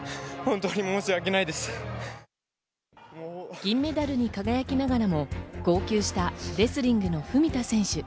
銀メダルに輝きながらも、号泣したレスリングの文田選手。